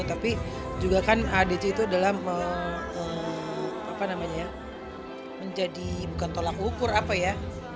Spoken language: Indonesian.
tapi juga kan adc itu adalah menjadi bukan tolak ukur apa ya